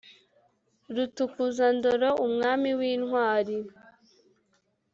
Rutukuzandoro, umwami w’intwari